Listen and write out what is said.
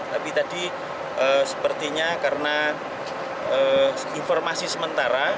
tapi tadi sepertinya karena informasi sementara